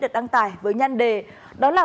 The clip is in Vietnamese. được đăng tải với nhăn đề đó là